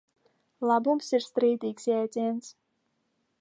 Labums ir strīdīgs jēdziens.